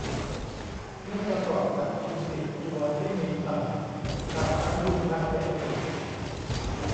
เมื่อประกอบกับทุนติดตัวที่มีต่ำ ต่ำทั้งทุนทางเศรษฐกิจ